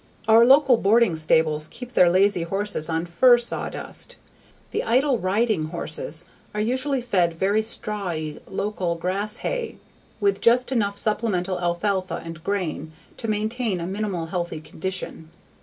Our local boarding stables keep their lazy horses on fir sawdust. The idle "riding" horses are usually fed very strawy local grass hay with just enough supplemental alfalfa and grain to maintain a minimal healthy condition.